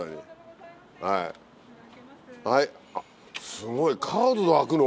すごいカードで開くの？